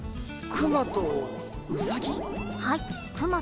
クマとウサギ。